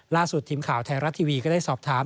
ล่าสุดทีมข่าวไทยรัฐทีวีก็ได้สอบถาม